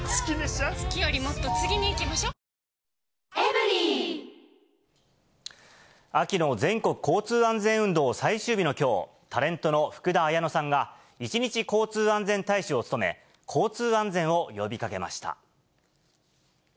ペイトク秋の全国交通安全運動最終日のきょう、タレントの福田彩乃さんが、一日交通安全大使を務め、交通安全を呼びかけました。